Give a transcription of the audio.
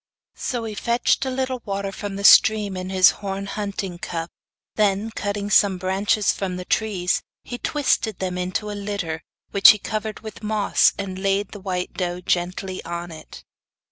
So he fetched a little water from the stream in his horn hunting cup, then, cutting some branches from the trees, he twisted them into a litter which he covered with moss, and laid the white doe gently on it.